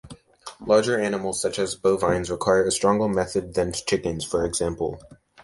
Larger animals such as bovines require a stronger method than chickens, for example.